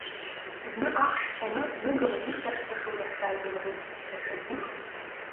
Зны ахш хьаны ныгала ирҟьашҟьашо иаҳзааигаларын, даҽазных.